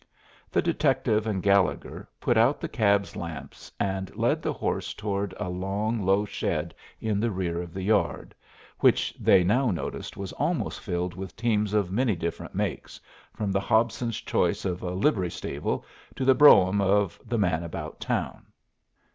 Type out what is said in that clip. The detective and Gallegher put out the cab's lamps and led the horse toward a long, low shed in the rear of the yard, which they now noticed was almost filled with teams of many different makes, from the Hobson's choice of a livery stable to the brougham of the man about town.